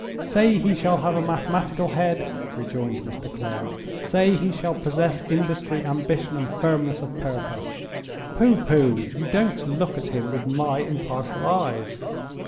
"Say he shall have a mathematical head," rejoined Mr. Clare; "say he shall possess industry, ambition, and firmness of purpose. Pooh! pooh! you don't look at him with my impartial eyes.